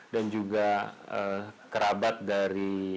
dan juga kerabat dari